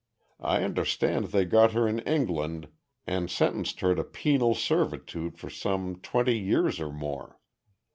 I understand they got her in England and sentenced her to penal servitude for some twenty years or more.